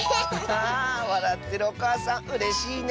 わらってるおかあさんうれしいね！